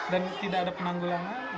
dan tidak ada penanggulangan